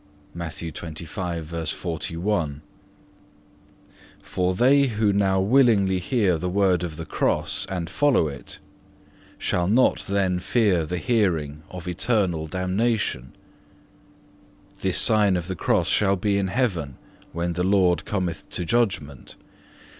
(2) For they who now willingly hear the word of the Cross and follow it, shall not then fear the hearing of eternal damnation. This sign of the Cross shall be in heaven when the Lord cometh to Judgment.